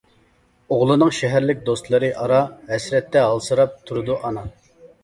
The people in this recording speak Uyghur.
ئوغلىنىڭ شەھەرلىك دوستلىرى ئارا، ھەسرەتتە ھالسىراپ تۇرىدۇ ئانا.